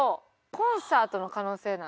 コンサートの可能性ない？